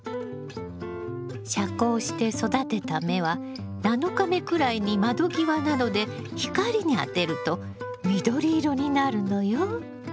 遮光して育てた芽は７日目くらいに窓際などで光にあてると緑色になるのよ。